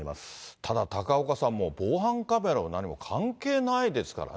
ただ、高岡さん、もう防犯カメラも何も関係ないですからね。